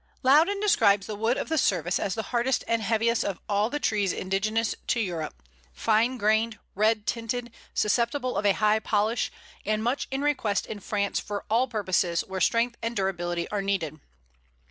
Loudon describes the wood of the Service as the hardest and heaviest of all the trees indigenous to Europe: fine grained, red tinted, susceptible of a high polish, and much in request in France for all purposes where strength and durability are needed.